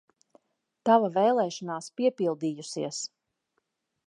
Tava vēlēšanās piepildījusies!